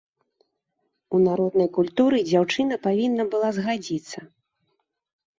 У народнай культуры дзяўчына павінна была згадзіцца.